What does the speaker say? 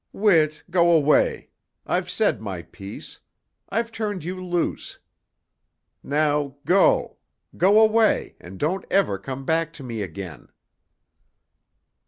"Whit, go away. I've said my piece. I've turned you loose. Now go! Go away, and don't ever come back to me again."